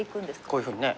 こういうふうにね。